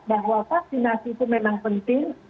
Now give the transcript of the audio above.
bahwa vaksinasi itu memang penting